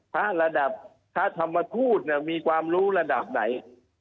พระระดับพระธรรมทูตมีความรู้ระดับไหน